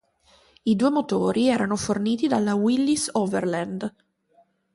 I due motori erano forniti dalla Willys-Overland.